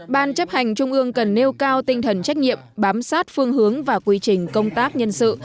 ban chấp hành trung ương cần nêu cao tinh thần trách nhiệm bám sát phương hướng và quy trình công tác nhân sự